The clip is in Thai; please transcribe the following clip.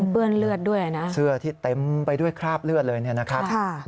เลือดด้วยนะเสื้อที่เต็มไปด้วยคราบเลือดเลยเนี่ยนะครับ